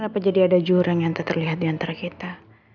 apa jadi ada jurang yang tak terlihat diantara kita